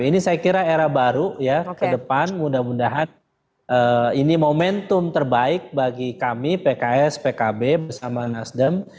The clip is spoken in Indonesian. ini saya kira era baru ya ke depan mudah mudahan ini momentum terbaik bagi kami pks pkb bersama nasdem